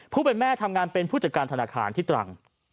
ผู้เป็นแม่ทำงานเป็นผู้จัดการธนาคารที่ตรัง